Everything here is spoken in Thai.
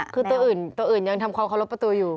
คือตัวอื่นยังทำความขอบรับประตูอยู่